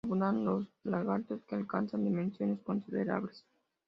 Abundan los lagartos, que alcanzan dimensiones considerables.